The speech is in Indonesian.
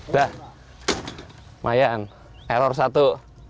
udah mayan error satu